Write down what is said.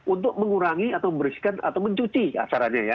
untuk mengurangi atau memberikan atau mencuci acaranya ya